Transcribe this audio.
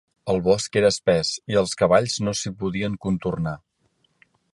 El bosc era espès, i els cavalls no s'hi podien contornar.